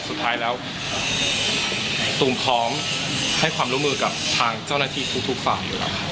สุดท้ายแล้วตูมพร้อมให้ความร่วมมือกับทางเจ้าหน้าที่ทุกฝ่ายอยู่แล้วครับ